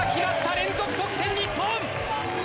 連続得点、日本！